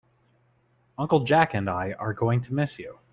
Uncle Jack and I are going to miss you.